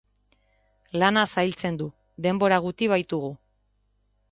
Lana zailtzen du, denbora guti baitugu.